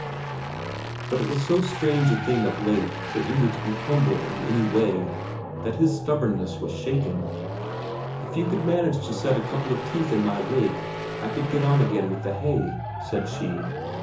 But it was so strange a thing of late for Inger to be humble in any way, that his stubbornness was shaken. "If you could manage to set a couple of teeth in my rake, I could get on again with the hay," said she.